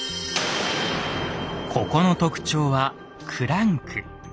ここの特徴はクランク。